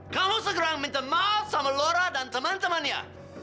kamu segera minta maaf sama laura dan temen temennya